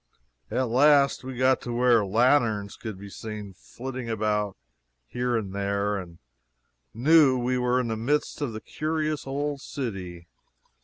At last we got to where lanterns could be seen flitting about here and there, and knew we were in the midst of the curious old city.